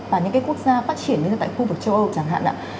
và những cái quốc gia phát triển như là tại khu vực châu âu chẳng hạn ạ